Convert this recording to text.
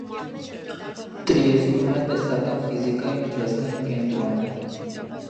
Տրիեստում է տեսական ֆիզիկայի միջազգային կենտրոնը։